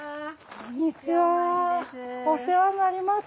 こんにちはお世話になります。